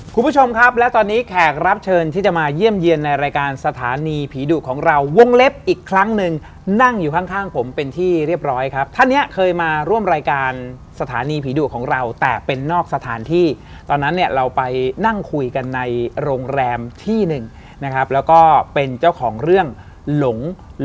คุณผู้ชมครับและตอนนี้แขกรับเชิญที่จะมาเยี่ยมเยี่ยมในรายการสถานีผีดุของเราวงเล็บอีกครั้งหนึ่งนั่งอยู่ข้างข้างผมเป็นที่เรียบร้อยครับท่านเนี่ยเคยมาร่วมรายการสถานีผีดุของเราแต่เป็นนอกสถานที่ตอนนั้นเนี่ยเราไปนั่งคุยกันในโรงแรมที่หนึ่งนะครับแล้วก็เป็นเจ้าของเรื่องหลง